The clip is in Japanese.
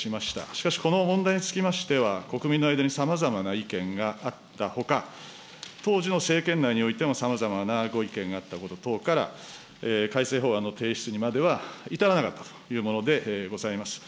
しかし、この問題につきましては、国民の間にさまざまな意見があったほか、当時の政権内においてもさまざまなご意見があったこと等から、改正法案の提出にまでは至らなかったというものでございます。